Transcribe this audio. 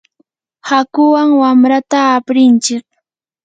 hakuwan wamrata aprinchik.